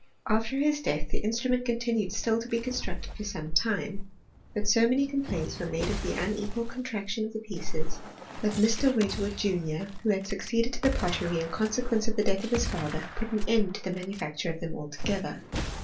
After his death the instrument continued still to be constructed for some titne ; but so many complaints were made of the unequal contraction of the pieces, that Mr. Wedge wood, junior, who had succeeded to the pottery in con sequence of the death of his father, put an end to the ihanufacture of them altogether.